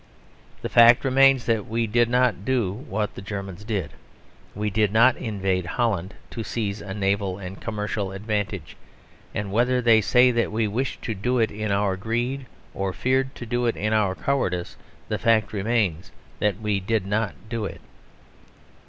The fact remains that we did not do what the Germans did. We did not invade Holland to seize a naval and commercial advantage: and whether they say that we wished to do it in our greed, or feared to do it in our cowardice, the fact remains that we did not do it.